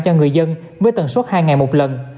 cho người dân với tần suốt hai ngày một lần